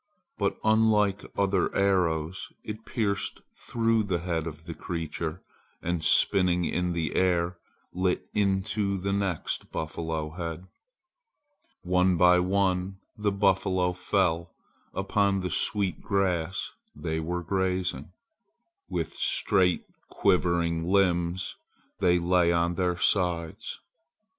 But unlike other arrows it pierced through the head of the creature and spinning in the air lit into the next buffalo head. One by one the buffalo fell upon the sweet grass they were grazing. With straight quivering limbs they lay on their sides.